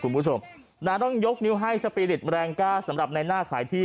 คุณผู้ชมนะต้องยกนิ้วให้สปีริตแรงกล้าสำหรับในหน้าขายที่